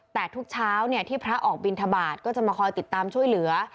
แต่ทุกเช้าที่พระออกบินทบาทก็จะมาคอยติดตามช่วยเหลือ